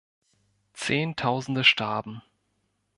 Zehntausende starben.